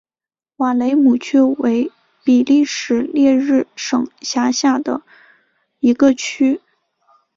瓦雷姆区为比利时列日省辖下的一个区。